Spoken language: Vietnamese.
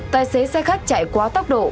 tài xế xe khách chạy quá tốc độ